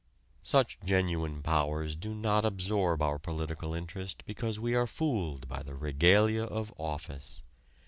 Such genuine powers do not absorb our political interest because we are fooled by the regalia of office.